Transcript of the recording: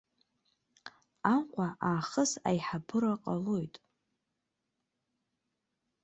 Аҟәа аахыс аиҳабыра ҟалоит.